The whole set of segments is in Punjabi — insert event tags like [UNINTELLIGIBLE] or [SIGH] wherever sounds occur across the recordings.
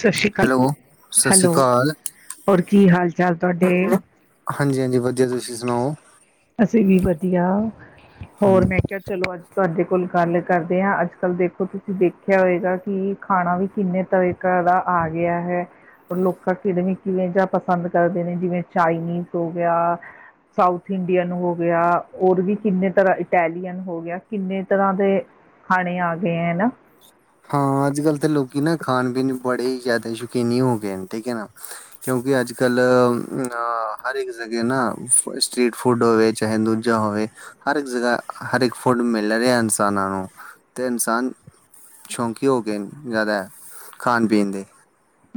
ਸਤਿ ਸ਼੍ਰੀ ਅਕਾਲ। ਹੈਲੋ, ਸਤਿ ਸ੍ਰੀ ਹੈਲੋ ਅਕਾਲ। ਹੋਰ ਕੀ ਹਾਲ- ਚਾਲ ਤੁਹਾਡੇ? ਹਾਂਜੀ- ਹਾਂਜੀ। ਵਧੀਆ ਤੁਸੀਂ ਸੁਣਾਓ? ਅਸੀਂ ਵੀ ਵਧੀਆ। ਹੋਰ ਹਾਂਜੀ। ਮੈਂ ਕਿਹਾ ਚਲੋ ਆੱਜ ਤੂਆਡੇ ਕੋਲ ਗਾੱਲ ਕਾਰਦੇ ਆਂ, ਅਜ-ਕਲ ਦੇਖੋ ਤੂਸੀ ਦੇਖੇਆ ਹੋਏਗਾ ਕਿ ਖਾਣਾ ਵੀ ਕਿੰਨੇ ਤਵੇ ਕਰਾ ਆ ਗੇਆ ਹੈ। ਲੋਕਾਂ ਕਿਡਨੀ ਕਿਵੇਂ ਜਾ ਪਸੰਦ ਕਰਦੇ ਨੇ, ਜਿਵੇਂ ਚਾਈਨੀਜ਼ ਹੋ ਗੇਆ ਸਾਊਥ ਇੰਡੀਅਨ ਹੋ ਗੇਆ ਔਰ ਵੀ ਕਿੰਨੇ ਤਰਾਂ, ਇਟੈਲੀਅਨ ਹੋ ਗੇਆ ਕਿੰਨੇ ਤਰਾਂ ਦੇ ਖਾਣੇ ਆ ਗਏ ਹੈਨਾ। ਹਾਂ, ਅਜ-ਕਲ ਤੇ ਲੋਕੀ ਨਾ ਖਾਣ-ਪੀਣ ਚ ਬੜੇ ਈ ਜਾਦਾ ਸ਼ੌਕੀਨੀ ਹੋ ਗਏਨ, ਠੀਕ ਏ ਨਾ। ਕਿਉਂਕਿ ਅਜ-ਕਲ ਅ ਹਰ ਇਕ ਜਗੇ ਨਾ, ਸਟ੍ਰਰੀਟ ਫੂਡ ਹੋਵੇ ਚਾਹੇ ਦੂਜਾ ਹੋਵੇ, ਹਰ ਇੱਕ ਜਗਾ ਹਰ ਇਕ ਫੁਡ ਮਿਲ ਰੇਐ ਇਨਸਾਨਾਂ ਨੂੰ। ਤੇ ਇਨਸਾਨ ਸ਼ੌਂਕੀ ਹੋ ਗਏਨ ਜਾਦਾ ਖਾਨ-ਪੀਨ ਦੇ।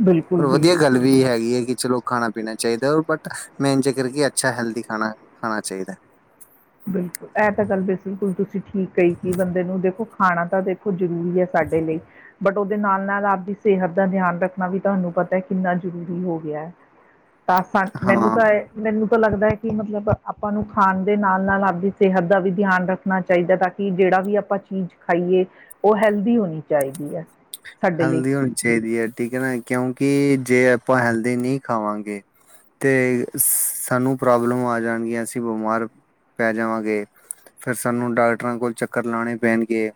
ਬਿਲਕੁਲ ਪਰ ਬਿਲਕੁਲ ਵਦੀਆ ਗਾੱਲ ਵੀ ਹੈਗੀ ਐ ਕਿ ਚਲੋ ਖਾਣਾ ਪੀਣਾ ਚਾਈਦੈ ਬਟ ਮੇਨ ਜੇਕਰ ਕੇ ਅੱਛਾ ਹੈਲਦੀ ਖਾਣਾ, ਖਾਣਾ ਚਾਈਦੈ। ਬਿਲਕੁਲ ਐ ਤਾ ਗਲ ਬੇਸ ਬਿਲਕੁਲ ਤੂਸੀ ਠੀਕ ਕਈ ਕਿ ਬੰਦੇ ਨੂੰ ਦੇਖੋ ਖਾਣਾ ਤਾ ਦੇਖ ਕੂਜ ਜਰੂਰੀ ਐ ਸਾਡੇ ਲਈ ਬਟ ਓਦੇ ਨਾਲ-ਨਾਲ ਆਪਦੀ ਸੇਹਤ ਦਾ ਧਆਨ ਰੱਖਨਾ ਵੀ ਤੂਆਨੂੰ ਪਤੈ ਕਿੰਨਾ ਜਰੂਰੀ ਹੋ ਗੇਐ। ਤਾਂ ਸਾ ਮੈਨੂੰ ਹਾਂ, ਤਾਂ ਏ, ਮੈਨੂੰ ਤਾਂ ਲਗਦੈ ਕਿ ਮਤਲਬ ਆਪਾਂ ਨੂੰ ਖਾਨ ਦੇ ਨਾਲ ਨਾਲ ਆਪਦੀ ਸੇਹਤ ਦਾ ਵੀ ਧਆਨ ਰੱਖਨਾ ਚਾਈਦੈ ਤਾਕੀ ਜੇੜਾ ਵੀ ਆਪਾਂ ਚੀਜ ਖਾਈਏ ਓ ਹੈਲਦੀ ਹੋਨੀ ਚਾਈਦੀ ਏ। ਹੈਲਦੀ ਹੋਨੀ ਚਾਈਦੀ ਐ, ਠੀਕ ਏ ਨਾ ਕਿਉਂਕਿ ਜੇ ਅਪਾਂ ਹੈਲਦੀ ਨੀ ਖਾਵਾਂਗੇ ਤੇ ਸਾਨੂੰ ਪ੍ਰੋਬਲਮ ਆ ਜਾਨਗੀਆਂ, ਅਸੀ ਬਮਾਰ ਪੈ ਜਾਵਾਂਗੇ, ਫੇਰ ਸਾਨੂੰ ਡਾਕਟਰਾਂ ਕੋਲ ਚੱਕਰ ਲਾਣੇ ਪੈਨਗੇ।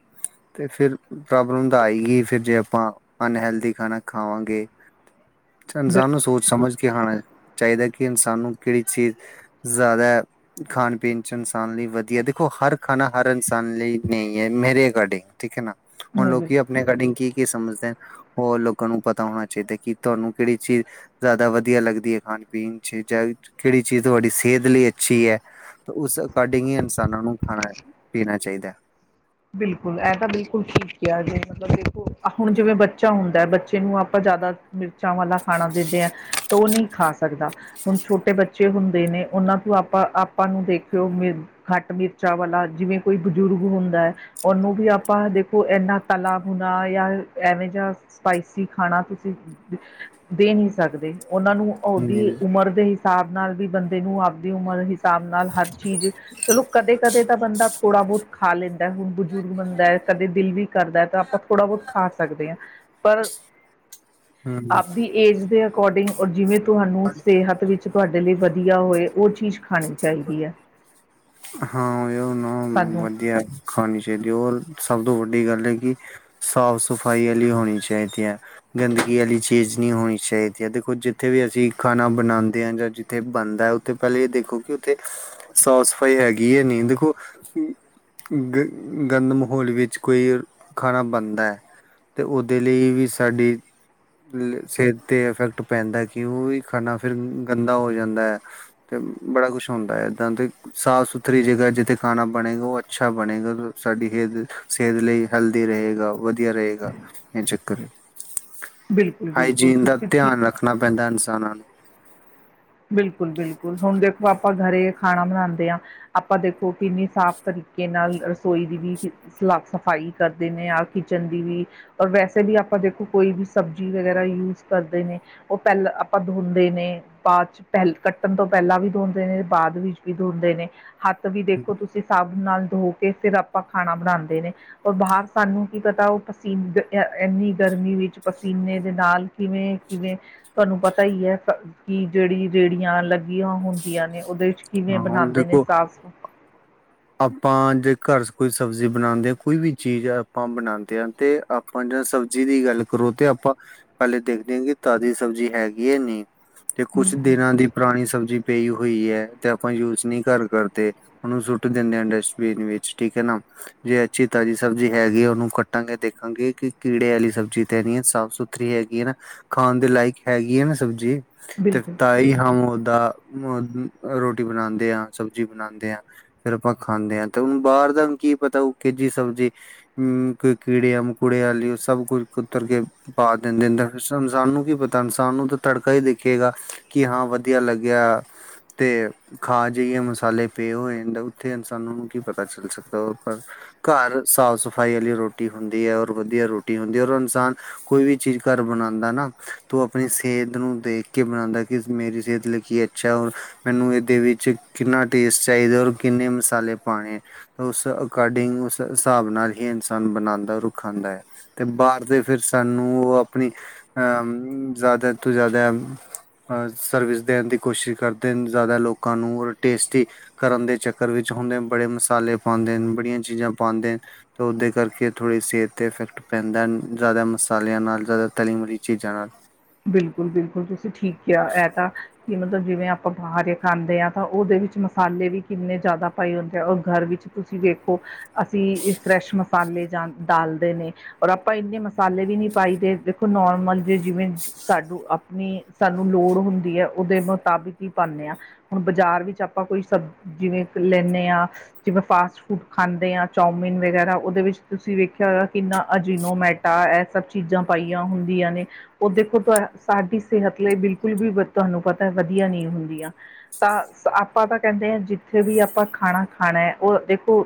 ਤੇ ਫੇਰ ਪ੍ਰੋਬਲਮ ਤਾਂ ਆਈ ਗੀ। ਫਿਰ ਜੇ ਅਪਾਂ ਅਨਹੈਲਦੀ ਖਾਣਾ ਖਾਵਾਂਗੇ ਅੱਛਾ ਬਿਲ ਇਨਸਾਨ ਨੂੰ ਸੋਚ ਸਮਝ ਕੇ ਹਾਂ ਚਾਈਦੈ ਕਿ ਇਨਸਾਨ ਨੂੰ ਕੈੜੀ ਚੀਜ਼ ਜਾਦੈ ਖਾਣ ਪੀਣ ਚ ਇਨਸਾਨ ਲਈ ਵਦੀਐ, ਦੇਖੋ ਹਰ ਖਾਨਾ ਹਰ ਇਨਸਾਨ ਲਈ ਨਹੀ ਐ, ਮੇਰੇ ਐਕੋਡਿੰਗ। ਠੀਕ ਹੈ ਨਾ, ਹੁਨ ਨਹੀਂ ਬਿਲ ਲੋਕੀ ਅਪਨੇ ਐਕਾਰਡਿੰਗ ਕੀ-ਕੀ ਸਮਝਦੇਨ ਓ ਲੋਕਾਂ ਨੂੰ ਪਤਾ ਹੋਣੈ ਚਾਈਦੈ ਕਿ ਤੂਆਨੂੰ ਕੈੜੀ ਚੀਜ ਜਾਦਾ ਵਧੀਐ ਲੱਗਦੀ ਏ ਖਾਣ-ਪੀਨ ਚ ਜਾਂ ਕੈੜੀ ਚੀਜ ਤੂਆਡੀ ਸੇਹਤ ਲਈ ਅੱਛੀ ਹੈ। ਉਸ ਅਕੋਡਿੰਗ ਈ ਇਨਸਾਨਾਂ ਨੂੰ ਖਾਣਾ-ਪੀਣਾ ਚਾਈਦੈ। ਬਿਲਕੁਲ ਐ ਤਾਂ ਬਿਲਕੁਲ ਠੀਕ ਕੇਆ, ਜੇ ਮਤਲਬ ਦੇਖੋ ਹੁਣ ਜਿਵੇਂ ਬੱਚਾ ਹੁੰਦੈ, ਬੱਚੇ ਨੂੰ ਆਪਾਂ ਜਾਦਾ ਮਿਰਚਾਂ ਵਾਲਾ ਖਾਣਾ ਦੇਦੇ ਐਂ ਤੇ ਓ ਨੀ ਖਾ ਸਕਦਾ। ਹੁਨ ਛੋਟੇ ਬੱਚੇ ਹੁੰਦੇ ਨੇ, ਓਨਾਂ ਤੂ ਆਪਾਂ-ਆਪਾਂ ਨੂੰ ਦੇਖਿਓ ਵੀ ਘਾੱਟ ਮਿਰਚਾਂ ਵਾਲਾ, ਜਿਵੇਂ ਕੋਈ ਬਜੁਰੁਗ ਹੁੰਦੈ। ਓਨੂੰ ਵੀ ਆਪਾਂ ਦੇਖੋ ਏਨਾ ਤਲਾ-ਭੁਨਾ ਯਾ ਐਵੇਂ ਜਾ ਸਪਾਈਸੀ ਖਾਣਾ ਤੂਸੀ ਦ, ਦੇ ਨੀ ਸਕਦੇ, ਓਨਾਂ ਨੂੰ ਓਦੀ ਹਮ ਉਮਰ ਦੇ ਹਿਸਾਬ ਨਾਲ ਵੀ ਬੰਦੇ ਨੂੰ, ਆਪਦੀ ਉਮਰ ਹਿਸਾ ਹਿਸਾਬ ਨਾਲ ਹਰ ਚੀਜ, ਚਲੋ ਕਦੇ-ਕਦੇ ਤਾਂ ਬੰਦਾ ਥੋੜਾ ਬੋਤ ਖਾ ਲੈਂਦੈ ਹੂਨ ਬਜੁਰੁਗ ਬਣਦਾ ਐ, ਕਦੇ ਦਿਲ ਵੀ ਕਰਦੈ, ਤਾਂ ਆਪਾਂ ਥੋੜਾ ਬੋਤ ਖਾ ਸਕਦੇ ਆਂ, ਪਰ ਆਪਦੀ ਏਜ ਦੇ ਐਕੋਰਡਿੰਗ ਔਰ ਜਿਵੇਂ ਤੂਹਾਨੂੰ ਹਮ ਸੇਹਤ ਵਿੱਚ ਤੂਆਡੇ ਲਈ ਵਦੀ ਦੀਆ ਹੋਏ ਓ ਚੀਜ ਹਾਂ ਓਏ ਨਾ ਸਾਨੂੰ ਵਦੀਐ। ਖਾਣੀ ਚਾਈਦੀ, ਓਲ ਸਬ ਤੋਂ ਵੱਡੀ ਗੱਲ ਏ ਕਿ ਸਾਫ਼ ਸਫ਼ਾਈ ਆਲੀ ਹੋਣੀ ਚਾਈਦੀ ਐ। ਗੰਦਗੀ ਆਲੀ ਚੀਜ ਨੀ ਹੋਣੀ ਚਾਈਦੀ ਐ, ਦੇਖੋ ਜਿੱਥੇ ਵੀ ਅਸੀ ਖਾਨਾ ਬਨਾਂਦੇ ਆਂ ਜਾਂ ਜਿ ਥੇ ਬਨਦੈ ਉਥੇ ਪੈਲੇ ਏ ਦੇਖੋ ਕਿ ਉਥੇ ਸਾਫ਼ ਸਫ਼ਾਈ ਹੈਗੀ ਐ ਨਹੀ ਦੇਖੋ ਗ ਗੰਦ ਮਹੌਲ ਵਿੱਚ ਕੋਈ ਖਾਣਾ ਬਣਦੈ ਤੇ ਓਦੇ ਲਈ ਵੀ ਸਾਡੀ ਸੇਹਤ ਤੇ ਅਫੈਕਟ ਪੈਂਦੈ ਕਿ ਉ ਈ ਖਾਨਾ ਫੇਰ ਗੰਦਾ ਹੋ ਜਾਂਦੈ। ਤੇ ਬੜਾ ਕੁੱਛ ਹੋਂਦੈ ਏਦਾਂ ਤੇ ਸਾਫ਼ ਸੁਥਰੀ ਜਗਾ ਜਿੱਥੇ ਖਾਣਾ ਬਣੇਗਾ ਓ ਅੱਛਾ ਬਣੇਗਾ ਸਾਡੀ ਸੇਤ ਸੇਤ ਲਈ ਹੈਲਦੀ ਰਹੇਗਾ, ਵਦੀਆ ਰਏਗਾ, ਏ ਚੱਕਰ ਏ। ਬਿਲਕੁਲ-ਬਿਲਕੁਲ ਹਾਈਜੀਨ ਦਾ ਤੁਸੀਂ ਠੀਕ ਧੇਆਨ ਰੱਖਣਾ ਪੈਂਦਾ ਇਨਸਾਨਾਂ ਬਿਲਕੁਲ-ਬਿਲਕੁਲ, ਹੁਣ ਦੇਖੋ ਆਪਾਂ ਘਰੇ ਖਾਣਾ ਬਣਾਂਦੇ ਆਂ ਆਪਾਂ ਦੇਖੋ ਕਿੰਨੀ ਸਾਫ਼ ਤਰੀਕੇ ਨਾਲ ਰਸੋਈ ਦੀ ਵੀ ਸਾਫ-ਸਫਾਈ, ਕਰਦੇ ਨੇ ਆ ਕਿਚਨ ਦੀ ਵੀ ਔਰ ਵੈਸੇ ਬੀ ਆਪਾਂ ਦੇਖੋ ਕੋਈ ਬੀ, ਸਬਜ਼ੀ ਵਗੈਰਾ ਯੂਜ ਕਰਦੇ ਨੇ ਓ ਪੈਲਾਂ ਆਪਾਂ ਧੋਂਦੇ ਨੇ ਬਾਚ, ਪੈਹਲ ਕੱਟਨ ਤੋਂ ਪੈਂਲਾਂ ਵੀ ਧੋਂਦੇ ਨੇ ਬਾਦ ਵਿੱਚ ਵੀ ਧੋਂਦੇ ਨੇ ਹੱਥ ਵੀ ਦੇਖੋ ਤੁਸੀਂ ਏ ਸਾਬ ਨਾਲ ਧੋ ਕੇ ਫੇਰ ਆਪਾਂ ਖਾਣਾ ਬਣਾਂਦੇ ਨੇ। ਓਰ ਬਾਹਰ ਸਾਨੂੰ ਕੀ ਪਤਾ ਓ ਪਸੀਨ ਅ, ਏਨੀ ਗਰਮੀ ਵਿੱਚ ਪਸੀਨੇ ਦੇ ਨਾਲ ਕਿਵੇਂ-ਕਿਵੇਂ, ਤੁਆਨੂੰ ਪਤਾ ਈ ਐ ਕਿ ਜੇੜੀ ਰੇੜੀਆਂ ਲੱਗੀਆਂ ਹੁੰਦੀਆਂ ਨੇ, ਓਦੇ ਚ ਕਿਵੇਂ ਹਾਂ ਹੁਣ ਬਨਾਂਦੇ ਨੇ ਦੇਖੋ ਸਾਫ਼ ਸ ਆਪਾਂ ਜੇ ਘਾਰ ਚ ਕੋਈ ਸਬਜ਼ੀ ਬਣਾਦੇ ਆ, ਕੋਈ ਵੀ ਚੀਜ਼ ਐ ਆਪਾਂ ਬਣਾਦੇ ਆਂ ਤੇ ਆ ਆਪਾਂ ਜਾਦ ਸਬਜੀ ਦੀ ਗੱਲ ਕਰੋ ਤੇ ਆਪਾਂ, ਪੈਲੇ ਦੇਖਦੇ ਆਂ ਕਿ ਤਾਜ਼ੀ ਸਬਜੀ ਹੈਗੀ ਏ ਨਈ। ਤੇ ਕੁਛ ਦਿਨਾਂ ਦੀ ਪਰਾਣੀ ਸਬਜ਼ੀ ਪਈ ਹੋਈ ਹੈ ਐ, ਤੇ ਆਪਾਂ ਯੂਜ਼ ਨੀ ਘਰ ਕਰਦੇ ਓਨੂੰ ਸੁ ਟ ਦਿੰਦੇ ਹੁਨੇ ਡਸਟਬੀਨ ਵਿੱਚ ਠੀਕ ਐ ਨਾ ਜੇ ਅੱਛੀ ਤਾਜੀ ਸਬਜੀ ਹੈਗੀ ਏ ਓਨੂੰ ਕੱਟਾਂਗੇ ਦੇਖਾਂਗੇ ਕਿ ਕੀੜੇ ਵਾਲੀ ਸਬਜੀ ਤੇ ਨੀ ਐ ਸਾਫ਼, ਸੁਥ ਰੀ ਹੈਗੀ ਐ ਨਾ, ਖਾਨ ਦੇ ਲਾਇਕ ਹੈਗੀ ਏ ਨਾ ਸਬਜੀ ਤੇ ਬਿਲਕੁਲ ਤਾਈ ਹਾਂ ਓਦਾ ਮ ਅ ਰੋਟੀ ਬਣਾਂਦੇ ਆ, ਸਬਜ਼ੀ ਬਣਾਂਦੇ ਆ ਫੇਰ ਆਪਾਂ ਖਾਂਨੇ ਆ ਤੇ ਓਨੂੰ ਬਾਰ ਦਾ ਵੀ ਕੀ ਪਤਾ ਓ ਕੇਜੀ ਸਬਜੀ। ਹੂੰ, ਕੋਈ ਕੀੜੇਆਂ ਮਕੌੜਿਆਂ ਆਲੀ ਓ ਸਭ ਕੁਛ ਕੁਤਰ ਕੇ- ਪਾ ਦਿੰਦੇ ਫ ਇਨਸਾਨ ਨੂੰ ਕੀ ਪਤਾ ਇਨਸਾਨ ਨੂੰ ਤਾਂ ਤੜਕਾ ਈ ਦੇਖੇਗਾ ਕਿ ਹਾਂ ਵਦੀਆ ਲੱਗੈਆ [UNINTELLIGIBLE] ਤੇ ਇਨਸਾਨੂੰ ਕੀ ਪਤਾ ਚੱਲ ਸਕਦਾ ਓ ਪਰ ਘਾਰ, ਸਾਫ ਸਫਾਈ ਵਾਲੀ ਰੋਟੀ ਹੁੰਦੀ ਆ ਔਰ ਵਦੀਆ ਰੋਟੀ ਹੁੰਦੀ ਆ ਔਰ ਇਨਸਾਨ ਕੋਈ ਵੀ ਚੀਜ ਘਰ ਬਣਾਂਦਾ ਨਾ, ਤੋ ਆਪਣੀ ਸੇਤ ਨੂੰ ਦੇਖ ਕੇ ਬਣਾਂਦਾ ਕਿ ਮੇਰੀ ਸੇਤ ਲਈ ਕੀ ਅੱ ਛਾ ਔਰ ਮੈਨੂੰ ਏਦੇ ਵਿੱਚ ਕਿੰਨਾ ਟੇਸਟ ਚਾਈਦਾ, ਔਰ ਕਿੰਨੇ ਮਸਾਲੇ ਪਾਣੇ। ਉਸ ਅਕੋਡਿੰਗ ਉਸ ਸ੍ਹਾਬ ਨਾਲ ਹੀ ਇਨਸਾਨ ਬਨਾਂਦਾ ਔਰ ਖਾਂਦੈ। ਤੇ ਬਾਰ ਫਿਰ-ਫਿਰ ਸਾਨੂੰ, ਓ ਆਪਣੀ ਅ ਜਾ਼ਦਾ ਤੋਂ ਜਾ਼ਦਾ ਅ ਸਰਵਿਸ ਦੇਣ ਦੀ ਕੋਸ਼ਿਸ਼ ਕਰਦੇ ਨ ਜਾ਼ਦਾ ਲੋਕਾਂ ਨੂੰ, ਓਰ ਟੇਸਟੀ ਕਰਨ ਦੇ ਚੱ ਕਰ ਵਿੱਚ ਹੋਨ ਏ ਬੜੇ ਮਸਾਲੇ ਪਾਂਦੇ ਨ, ਬੜੀਆਂ ਚੀਜਾ ਪਾਂਦੇ ਤੇ ਓਦੇ ਕਰਕੇ ਥੋੜੀ ਸੇਤ ਤੇ ਅਫੈਕਟ ਪੈਂਦੈ ਜਾਦਾ ਮਸਾਲੇਆਂ ਨਾਲ ਜਾਦਾ ਤਲੀ਼-ਮਲੀ ਚੀਜਾ ਨਾਲ। ਬਿਲਕੁਲ-ਬਿਲਕੁਲ, ਤੁਸੀਂ ਠੀਕ ਕੇਆ ਐ ਤਾਂ ਕੀ ਮਤਲਬ ਜਿਵੇਂ ਆਪਾਂ ਬਾਹਰੇ ਖਾਂਦੇ ਆ, ਤਾਂ ਓਦੇ ਵਿੱਚ ਮਸਾਲੇ ਵੀ ਕਿੰਨੇ ਜਾਦਾ ਪਾਏ ਹੁੰਦੇ ਆ ਓਰ ਘਰ ਵਿੱਚ ਤੁਸੀਂ ਵੇਖੋ ਅਸੀ, ਫ੍ਰੈਸ਼ ਮਸਾਲੇ ਜਾਂ ਡਾਲਦੇ ਨੇ ਔਰ ਆਪਾਂ ਇੰਨੇ ਮਸਾਲੇ ਵੀ ਨੀ ਪਾਈ ਦੇ, ਦੇਖੋ ਨੋਰਮਲ ਜੇ ਜਿਵੇਂ ਸਾਨੂੰ ਆਪਨੀ ਸਾਨੂੰ ਲੋੜ ਹੁੰਦੀ ਐ, ਓਦੇ ਮੁਤਾਬਿਕ ਈ ਪਾਂਨੇ ਆਂ। ਹੁਣ ਬਾਜਾਰ ਵਿੱਚ ਆਪਾਂ ਕੋਈ ਸਬ, ਜਿਵੇਂ ਕ ਲੈਂਨੇ ਆ ਜਿਵੇਂ ਫਾਸਟ ਫੂਡ ਖਾਂਦੇ ਆਂ ਚੌਮਿਨ ਵਗੈਰਾ ਓਦੇ ਵਿੱਚ ਤੁਸੀਂ ਵੇਖੇਆ ਹੋਯਾ ਕਿੰਨਾ ਅਜੀਨੋਮੈਟ ਟਾ ਐ ਸਬ ਚੀਜਾਂ ਪਾਈਆਂ ਹੁੰਦੀਆਂ ਨੇ, ਓਦੇ ਤੇ ਤੂ ਸਾਡੀ ਸੇਹਤ ਲਈ ਬਿਲਕੁਲ ਵੀ ਬ, ਤੁਹਾਨੂੰ ਪਤੈ ਵਦੀਆ ਨਈ ਹੁੰਦੀਆਂ। ਤਾਂ ਸ, ਆਪਾਂ ਤਾਂ ਕੈਂਦੇ ਆ ਜਿੱਥੇ ਵੀ ਆਪਾਂ ਖਾਣਾ ਖਾਣੈ ਐ ਓ ਦੇਖੋ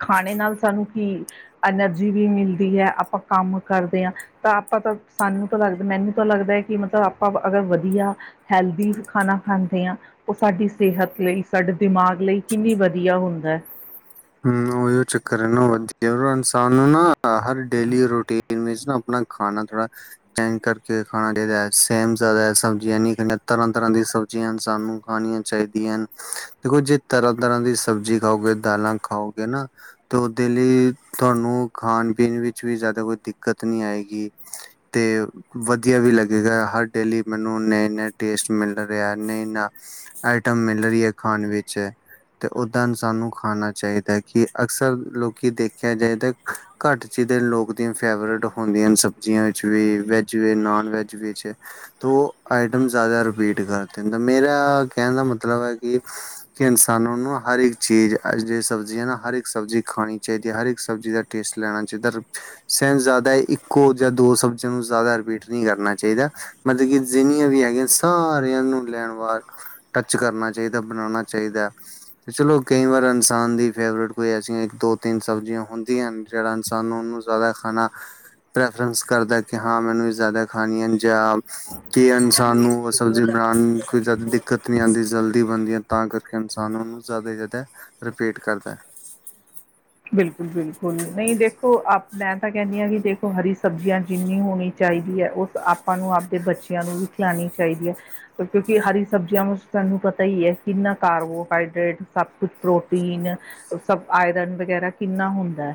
ਖਾਣੇ ਨਾਲ ਸਾਨੂੰ ਕੀ ਅਨਰਜੀ ਵੀ ਮਿਲਦੀ ਐ, ਆਪਾਂ ਕਾੰਮ ਕਰਦੇ ਆਂ ਤਾਂ ਆਪਾਂ ਤੋ ਸਾਨੂੰ ਤੋ ਲੱਗ ਮੈਨੂੰ ਤਾ ਲੱਗਦੈ ਕਿ ਮਤਲਬ ਆਪਾਂ ਅਗਰ ਵਦੀਆ, ਹੈਲਦੀ ਖਾਨਾ ਖਾਂਦੇ ਆਂ ਓ ਸਾਡੀ ਸੇਹਤ ਲਈ, ਸਾਡੇ ਦਿਮਾਗ ਲਈ ਕਿੰਨੀ ਵਦੀਆ ਹੁੰਦੈ। ਹੂੰ ਓਈ ਓ ਚੱਕਰ ਐ ਨਾ, ਵਦੀਆ ਇਨਸਾਨ ਨੂੰ ਨਾ ਹਰ ਡੇਲੀ ਰੂਟੀਨ ਚ ਨਾ ਆਪਣਾ ਖਾਨਾ ਥੋੜਾ, ਚੇਂਜ ਕਰਕੇ ਖਾਣਾ ਚਈਦੈ ਸੇਮ ਏ ਸਬ ਜਾਦਾ ਸਬਜ਼ੀਆਂ ਤਰਾਂ-ਤਰਾਂ ਦੀ ਸਬ ਜੀਆਂ ਸਾਨੂੰ ਖਾਨੀਆਂ ਚਾਈਦੀਆਂ ਨ, ਦੇਖੋ ਜੇ ਤਰਾ-ਤਰਾਂ ਦੀ ਸਬਜੀ ਖਾਓਗੇ ਦਾਲਾਂ ਖਾਓਗੇ ਨਾ ਤੇ ਓਦੇ ਲਈ ਤੁਆਨੂੰ, ਖਾਨ-ਪੀਨ ਵਿੱਚ ਵੀ ਜਾਦਾ ਕੋਈ ਦਿੱਕਤ ਨਈ ਆਏਗੀ। ਤੇ ਵਦੀਆ ਵੀ ਲੱਗੇਗਾ ਹਰ ਡੇਲੀ ਮੈਨੂੰ ਉਨੇ ਈਨੇ ਟੇਸਟ ਮਿਲਦਾ ਰਿਆ ਨੇ ਨਾ। ਆਈਟਮ ਮਿਲ ਰਹੀ ਹੈ ਖਾਣ ਵਿੱਚ ਤੇ ਓਦਾਂ ਸਾਨੂੰ ਖਾਣਾ ਚਾਈਦਾ ਕਿ ਅਕਸਰ ਲੋਕੀ ਦੇਖਿਆ ਜਾਏ ਤਾਂ ਘੱਟ ਚੀਜ਼ਾਂ ਲੋਕ ਦੀਆਂ ਫੇਵਰੇਟ ਹੁੰਦੀਆਂ ਸ ਬਜਿਆ ਚ ਵੀ, ਵੈਜ ਵੀ, ਨੋਨ ਵੈਜ ਵਿੱਚ। ਤੋ ਓ ਆਈਟਮ ਜੈਦਾ ਰਿਪੀਟ ਕਰਦੇ ਨੇ ਤਾਂ ਮੇਰਾ ਕੈਣ ਦਾ ਮਤਲਬ ਐ ਕਿ ਕਿ ਇਨਸਾਨਾਂ ਨੂੰ ਹਰ ਇੱਕ ਚੀਜ਼ ਅਜੇ ਸਬਜ਼ੀਆਂ ਨਾ ਹਰ ਇੱਕ ਸਬਜ਼ੀ ਖਾਣੀ ਚਾਈਦੀ ਹੈ ਹਰ ਇੱਕ ਸਬਜ਼ੀ ਦਾ ਟੇਸਟ ਲੈਣਾ ਚਈਦਾ। ਸੇਂਸ ਜਾਦਾ ਇੱਕੋ ਜਾਂ ਦੋ ਸਬਜੀਆਂ ਨੂੰ ਜਾਦਾ ਰਿਪੀਟ ਨੀ ਕਰਨਾ ਚਾਈਦਾ। ਮਤਲਬ ਕਿ ਜਿੰਨੀਆਂ ਵੀ ਹੈਗੀਆਂ ਸਾਰਿਆਂ ਨੂੰ ਲੈਣ ਵਾਰ ਟੱਚ ਕਰਨਾ ਚਾਈਦਾ, ਬਣਾਣਾ ਚਾਈਦਾ ਤੇ ਚਲੋ ਕਈ ਵਾਰ ਇਨਸਾਨ ਦੀ ਫੇਵਰੇਟ ਕੋਈ ਐਸੀਆਂ ਦੋ-ਤਿੰਨ ਸਬਜ਼ੀਆਂ ਹੁੰਦੀਆਂ ਹਨ ਜੇੜਾ ਇਨਸਾਨ ਨੂੰ ਉਨੂੰ ਜੈਦਾ ਖਾਣਾ ਪ੍ਰੈਫਰਂਸ ਕਰਦਾ ਕਿ ਹਾਂ ਮੈਨੂੰ ਜੈਦਾ ਖਾਣੀਆਂਨ ਜਾਂ ਕੀ ਇਨਸਾਨ ਨੂੰ ਸਬਜ਼ੀ ਬਣਾਣ ਨੂੰ ਕੋਈ ਜੈਦਾ ਦਿੱਕਤ ਨੀ ਆਂਦੀ ਜਲਦੀ ਬਣਦੀਐ ਤਾਂ ਕਰਕੇ ਇਨਸਾਨ ਉਨੂੰ ਜੈਦਾ [UNINTELLIGIBLE] ਰਿਪੀਟ ਕਰਦਾ। ਬਿਲਕੁਲ-ਬਿਲਕੁਲ ਨਈ ਦੇਖੋ ਆਪ ਮੈਂ ਤਾਂ ਕੈਨੀ ਆ ਕਿ ਦੇਖੋ ਹਰੀ ਸਬਜ਼ੀਆਂ ਜਿੰਨੀ ਹੋਣੀ ਚਾਈਦੀ ਐ ਉਸ ਆਪਾਂ ਨੂੰ ਆਪਦੇ ਬੱਚਿਆਂ ਨੂੰ ਵੀ ਖਿਆਣੀ ਚਾਈਦੀ ਐ। ਕਿਉਂਕੀ ਹਰੀ ਸਬਜ਼ੀਆਂ ਵਿੱਚ ਤੲਨੂੰ ਪਤਾ ਈ ਐ ਕਿੰਨਾ ਕਾਰਬੋਹਾਈਡਰੇਟ ਸਬ ਕੁੱਛ ਪ੍ਰੋਟੀਨ ਸਬ ਆਇਰਨ ਵਗੈਰਾ ਕਿੰਨਾ ਹੁੰਦਾ ਐ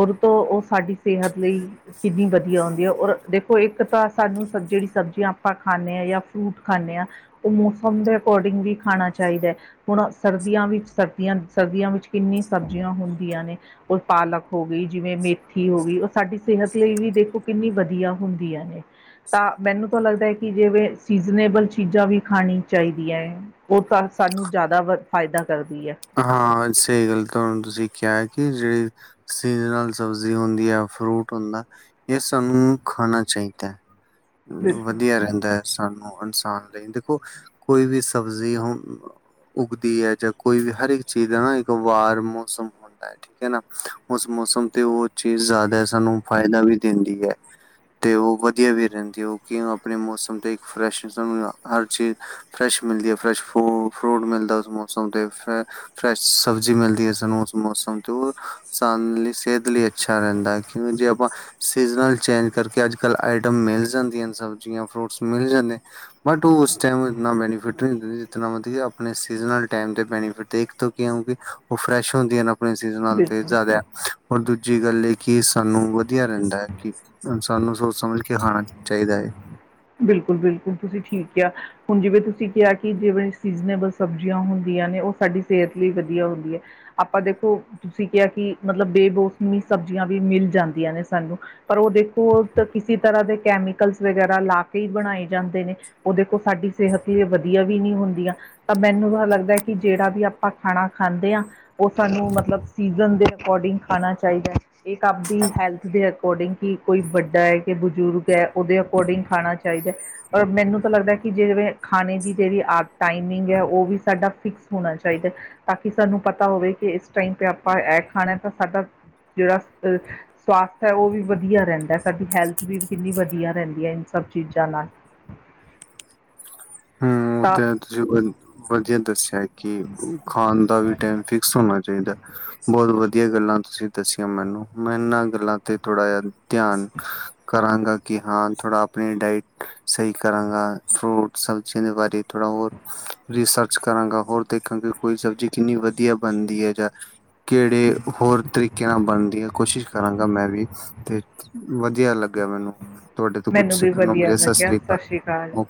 ਓਰ ਤੋਂ ਓ ਸਾਡੀ ਸਿਹਤ ਲਈ ਕਿੰਨੀ ਵਦੀਆ ਹੁੰਦੀ ਐ ਓਰ ਦੇਖੋ ਇੱਕ ਤਾਂ ਸਾਨੂੰ ਸਬਜ ਜੇੜੀ ਸਬਜ਼ੀਆਂ ਆਪਾਂ ਖਾਨੇ ਆ ਯਾ ਫਰੂਟ ਖਾਨੇ ਆ ਓ ਮੌਸਮ ਦੇ ਅਕੋਰਡਿੰਗ ਵੀ ਖਾਣਾ ਚਾਈਦਾ ਐ। ਹੁਣ ਸਰਦੀਆਂ ਵਿੱਚ ਸਰਦੀਆਂ, ਸਰਦੀਆਂ ਵਿੱਚ ਕਿੰਨੀ ਸਬਜ਼ੀਆਂ ਹੁੰਦੀਆਂ ਨੇ ਓ ਪਾਲਕ ਹੋ ਗਈ ਜਿਵੇਂ ਮੇਥੀ ਹੋ ਗਈ ਓ ਸਾਡੀ ਸਿਹਤ ਲਈ ਵੀ ਦੇਖੋ ਕਿੰਨੀ ਵਦੀਆ ਹੁੰਦੀਆਂ ਨੇ। ਤਾਂ ਮੈਨੂੰ ਤਾਂ ਲੱਗਦਾ ਐ ਕਿ ਜਿਵੇਂ ਸੀਜ਼ਨੇਬਲ ਚੀਜ਼ਾਂ ਵੀ ਖਾਣੀ ਚਾਈਦੀਆਂ ਐ। ਓ ਤਾਂ ਸਾਨੂੰ ਜੈਦਾ ਵ ਫਾਇਦਾ ਕਰਦੀ ਐ। ਹਾਂ, ਸਈ ਗੱਲ ਤੁਆਨੂੰ ਤੁਸੀਂ ਕਿਆ ਕਿ ਜੇੜੀ ਸੀਜ਼ਨਲ ਸਬਜ਼ੀ ਹੁੰਦੀ ਐ, ਫਰੂਟ ਹੁੰਦਾ ਏ ਸਾਨੂੰ ਖਾਣਾ ਚਾਈਦਾ ਐ ਬਿਲਕੁਲ ਵਦੀਆ ਰੈਂਦਾ। ਸਾਨੂੰ ਇਨਸਾਨ ਲਈ ਦੇਖੋ ਕੋਈ ਵੀ ਸਬਜ਼ੀ ਹੁਣ ਉਗਦੀ ਐ ਜਾਂ ਕੋਈ ਵੀ ਹਰ ਇੱਕ ਚੀਜ਼ ਦਾ ਨਾ ਇੱਕ ਵਾਰ ਮੌਸਮ ਹੋ ਹੁੰਦਾ ਠੀਕ ਐ ਨਾ ਉਸ ਮੌਸਮ ਤੇ ਓ ਚੀਜ਼ ਜੈਦਾ ਸਾਨੂੰ ਫਾਇਦਾ ਵੀ ਦਿੰਦੀ ਐ। ਤੇ ਓ ਵਦੀਆ ਵੀ ਰੈਂਦੀ ਓ ਕਿਂ ਆਪਣੇ ਮੌਸਮ ਦੇ ਇੱਕ ਫਰੈਸ਼ਿਜਮ ਨਾਲ ਹਰ ਚੀਜ਼ ਫਰੈਸ਼ ਮਿਲਦੀ ਐ, ਫਰੈਸ਼ ਫੂ ਫਰੂਟ ਮਿਲਦਾ ਉਸ ਮੌਸਮ ਤੇ ਫ ਫਰੈਸ਼ ਸਬਜ਼ੀ ਮਿਲਦੀ ਐ ਸਾਨੂੰ ਉਸ ਮੌਸਮ ਤੇ ਸਾਨ ਲੀ ਸਿਹਤ ਲਈ ਅੱਛਾ ਰੈਂਦਾ ਕਿਉਂ ਜੇ ਆਪਾਂ ਸਿਜ਼ਨਲ ਚੇਂਜ ਕਰਕੇ ਅੱਜ-ਕੱਲ ਆਈਟਮ ਮਿਲ ਜਾਂਦੀਆਂਨ ਸਬਜ਼ੀਆਂ ਫਰੂਟਸ ਮਿਲ ਜਾਂਦੇ ਬਟ ਓ ਓਸ ਟੈਮ ਇੰਨਾ ਬੈਨਫਿਟ ਨੀ ਹੁੰਦਾ ਇਨਾ ਜਿਤਨਾ ਵਦੀਆ ਆਪਣੇ ਸੀਜ਼ਨਲ ਟੈਮ ਤੇ ਬੈਨਿਫਿਟ ਦੇਖ [UNINTELLIGIBLE] ਓਵੀ, ਓ ਫਰੈਸ਼ ਹੁੰਦੀ ਐਨ ਆਪਣੇ ਸਿਜ਼ਨਲ ਤੇ ਬਿਲਕੁਲ ਜੈਦਾ। ਓਰ ਦੂਜੀ ਗੱਲ ਐ ਕਿ ਸਾਨੂੰ ਵਧੀਊਆ ਰੈਂਦਾ ਐ ਕਿ ਸਨ ਸਾਨ ਨੂੰ ਸੋਚ ਸਮਝ ਕੇ ਖਾਣਾ ਚਾਈਦੈ ਏ। ਬਿਲਕੁਲ-ਬਿਲਕੁਲ, ਤੁਸੀਂ ਠੀਕ ਕਿਆ। ਹੁਣ ਜਿਵੇਂ ਤੁਸੀਂ ਕਿਆ ਕਿ ਜਿਵੇਂ ਸੀਜਨੇਬਲ ਸਬਜ਼ੀਆਂ ਹੁੰਦੀਆਂ ਨੇ ਓ ਸਾਡੀ ਸਿਹਤ ਲਈ ਵਦੀਆ ਹੁੰਦੀ ਐ। ਆਪਾਂ ਦੇਖੋ ਤੁਸੀਂ ਕਿਆ ਕਿ ਮਤਲਬ ਬੇਬੋਸਮੀ ਸਬਜ਼ੀਆਂ ਵੀ ਮਿਲ ਜਾਂਦੀਆਂ ਨੇ ਸਾਨੂੰ। ਪਰ ਓ ਦੇਖੋ ਕਿਸੇ ਤਰ੍ਹਾਂ ਦੇ ਕੈਮੀਕਲਸ ਵਗੈਰਾ ਲਾ ਕੇ ਈ ਬਣਾਏ ਜਾਂਦੇ ਨੇ ਓ ਦੇਖੋ ਸਾਡੀ ਸਿਹਤ ਲਈ ਵਦੀਆ ਵੀ ਨਈ ਹੁੰਦੀਆਂ। ਤਾਂ ਮੈਨੂੰ ਤਾਂ ਲੱਗਦਾ ਐ ਕਿ ਜੇੜਾ ਵੀ ਆਪਾਂ ਖਾਣਾ ਖਾਂਦੇ ਆ ਓ ਸਾਨੂੰ ਮਤਲਬ ਸੀਜ਼ਨ ਦੇ ਅਕੋਰਡਿੰਗ ਖਾਣਾ ਚਾਈਦੈ। ਇੱਕ ਆਪਦੀ ਹੈਲਥ ਦੇ ਅਕੋਰਡਿੰਗ ਕਿ ਕੋਈ ਵੱਡਾ ਐ ਕਿ ਬਜ਼ੁਰਗ ਐ, ਓਦੇ ਅਕੋਰਡਿੰਗ ਖਾਣਾ ਚਾਹੀਦੈ। ਓਰ ਮੈਨੂੰ ਤਾਂ ਲੱਗਦਾ ਕਿ ਜਿਵੇਂ ਖਾਣੇ ਦੀ ਜੇੜੀ ਆ ਟਾਈਮਿੰਗ ਐ ਓ ਵੀ ਸਾਡਾ ਫਿਕਸ ਹੋਣਾ ਚਾਈਦਾ। ਤਾਂ ਕਿ ਸਾਨੂੰ ਪਤਾ ਹੋਵੇ ਕਿ ਇਸ ਟਾਈਮ ਤੇ ਆਪਾਂ ਐ, ਖਾਣਾ ਤਾਂ ਸਾਡਾ ਜੇੜਾ ਅਹ ਸਵਾਸਥ ਐ ਓ ਵੀ ਵਧੀਆ ਰੈਂਦੈ ਸਾਡੀ ਹੈਲਥ ਵੀ ਕਿੰਨੀ ਵਧੀਆ ਰੈਂਦੀ ਐ, ਇਨ ਸਭ ਚੀਜ਼ਾਂ ਨਾਲ ਓ ਤਾਂ ਤੁਸੀਂ ਵਧੀਆ ਦੱਸਿਆ ਕਿ ਖਾਣ ਦਾ ਵੀ ਟਾਈਮ ਫਿਕਸ ਹੋਣਾ ਚ ਚਾਈਦਾ ਬਹੁਤ ਵਧੀਆ ਗੱਲਾਂ ਤੁਸੀਂ ਦੱਸੀਆਂ ਮੈਨੂੰ ਮੈਂ ਏਨਾਂ ਗੱਲਾਂ ਤੇ ਥੋੜ੍ਹਾ ਜਿਹਾ ਧਿਆਨ ਕਰਾਂਗਾ। ਕਿ ਹਾਂ ਥੋੜ੍ਹਾ ਆਪਣੀ ਡਾਇਟ ਸਈ ਕਰਾਂਗਾ। ਫਰੂਟ ਸਬਜ਼ੀਆਂ ਦੇ ਬਾਰੇ ਥੋੜਾ ਹੋਰ ਰਿਸਰਚ ਕਰਾਂਗਾ, ਹੋਰ ਦੇਖਾਂਗੇ ਕੋਈ ਸਬਜ਼ੀ ਕਿੰਨੀ ਵਧੀਆ ਬਣਦੀ ਹੈ, ਜਾਂ ਹ ਕੇੜੇ ਹੋਰ ਤਰੀਕੇ ਕਿ ਨਾ ਬਣਦੀ ਹੈ ਕੋਸ਼ਿਸ਼ ਕਰਾਂਗਾ। ਮੈਂ ਵੀ ਤੇ ਵਧੀਆ ਲੱਗਿਆ। ਮੈਨੂੰ ਤੁਆਡੇ ਤੋਂ ਕੁੱਛ ਸਿੱਖਣ ਨੂੰ ਮਿਲਿਆ ਸਸ ਸ੍ਰੀ ਅਕਾਲ। ਤਾਹੀ।